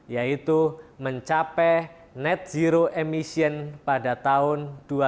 yaitu mencapai net zero emission pada tahun dua ribu dua puluh